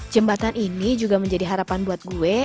jembatan ini juga menjadi harapan buat gue